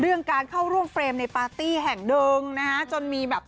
เรื่องการเข้าร่วมในพาร์ตี้แห่งเดินนะคะจนมีแบบ